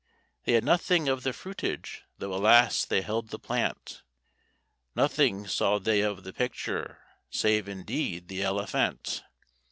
They had nothing of the fruitage, though, alas! they held the plant, Nothing saw they of the picture, save, indeed, the Elephant.